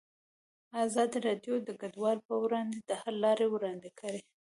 ازادي راډیو د کډوال پر وړاندې د حل لارې وړاندې کړي.